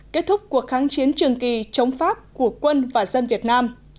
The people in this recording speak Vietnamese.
kết thúc cuộc kháng chiến trường kỳ chống pháp của quân và dân việt nam